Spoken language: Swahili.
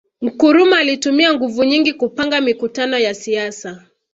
Nkrumah alitumia nguvu nyingi kupanga mikutano ya siasa